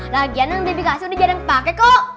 lagian yang debbie kasi udah jarang dipake kok